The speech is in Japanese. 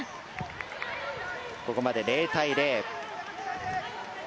ここまで０対０。